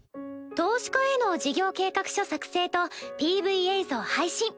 投資家への事業計画書作成とＰＶ映像配信。